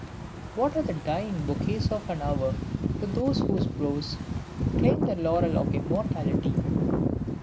What are the dying bouquets of an hour to those whose brows claim the laurel of immortality?